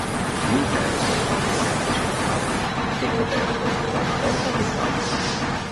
L’interno, a pianta centrale, è coperto da una volta a ventaglio.